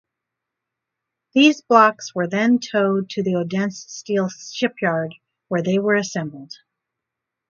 These blocks were then towed to the Odense Steel Shipyard where they were assembled.